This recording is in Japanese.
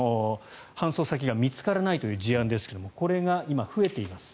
搬送先が見つからないという事案ですがこれが今、増えています。